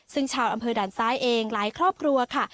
ซึ่งชาวอำเภอด่านซ้ายเองหลายครอบครัวค่ะ